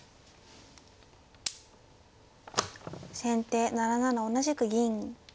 先手７七同じく銀。